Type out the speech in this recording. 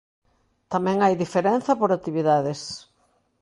Tamén hai diferenza por actividades.